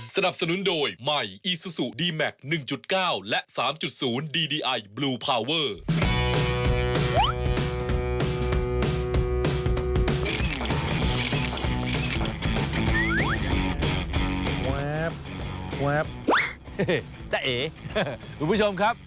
ทุกผู้ชมครับ